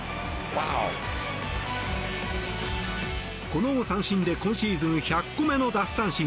この三振で今シーズン１００個目の奪三振。